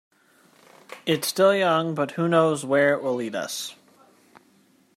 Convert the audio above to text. It's still young, but who knows where it will lead us.